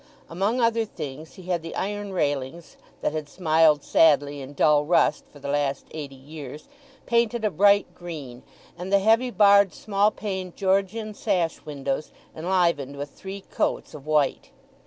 Among other things he had the iron railings, that had smiled sadly in dull rust for the last eighty years, painted a bright green, and the heavy barred, small paned Georgian sash windows enlivened with three coats of white.